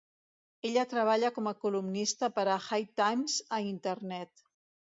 Ella treballa com a columnista per a "High Times" a Internet.